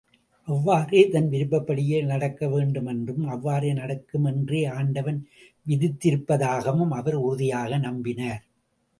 அவ்வாறே தன் விருப்பப்படியே நடக்கவேண்டும் என்றும், அவ்வாறு நடக்குமென்றே ஆண்டவன் விதித்திருப்பதாகவும் அவர் உறுதியாக நம்பினார்.